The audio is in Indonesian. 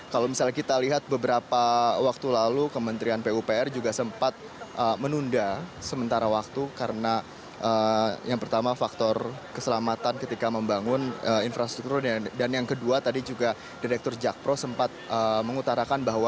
kalau misalnya kita lihat beberapa waktu lalu kementerian pupr juga sempat menunda sementara waktu karena yang pertama faktor keselamatan ketika membangun infrastruktur dan yang kedua tadi juga direktur jakpro sempat mengutarakan bahwa